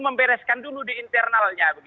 membereskan dulu di internalnya